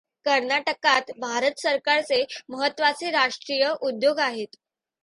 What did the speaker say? कर्नाटकात भारत सरकाचे महत्त्वाचे राष्ट्रीय उद्योग आहेत.